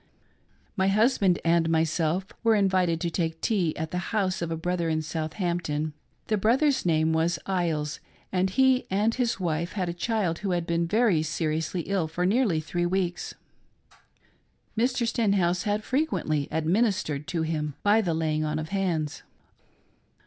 My husband and myself were invited to take tea at the house of a brother in Southampton. The brother's name was Isles, and he and his wife had a child who had been very seri ously ill for nearly three weeks. Mr. Stenhouse had frequently " administered " to him by the laying on of hands.